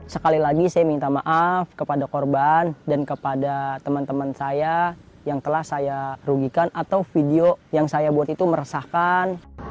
sekali lagi saya minta maaf kepada korban dan kepada teman teman saya yang telah saya rugikan atau video yang saya buat itu meresahkan